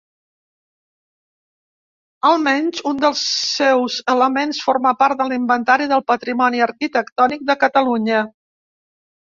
Almenys un dels seus elements forma part de l'Inventari del Patrimoni Arquitectònic de Catalunya.